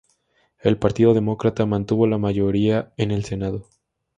El Partido Demócrata mantuvo la mayoría en el Senado.